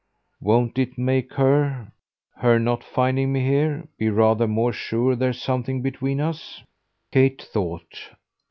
"Won't it make her her not finding me here be rather more sure there's something between us?" Kate thought.